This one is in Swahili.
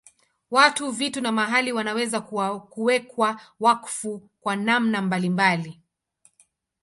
Watu, vitu na mahali wanaweza kuwekwa wakfu kwa namna mbalimbali.